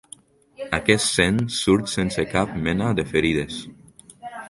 Aquest se'n surt sense cap mena de ferides.